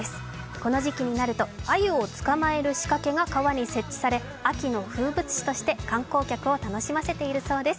この時期になると、あゆを捕まえる仕掛けが川に設置され秋の風物詩として観光客を楽しませているそうです。